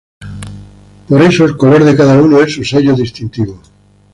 Por eso el color de cada uno es su sello distintivo.